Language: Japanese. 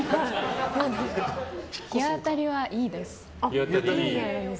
日当たりはいいです。